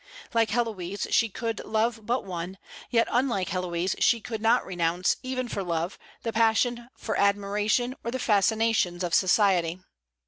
Like Héloïse, she could love but one; yet, unlike Héloïse, she could not renounce, even for love, the passion for admiration or the fascinations of society.